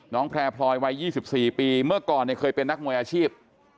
แพร่พลอยวัย๒๔ปีเมื่อก่อนเนี่ยเคยเป็นนักมวยอาชีพ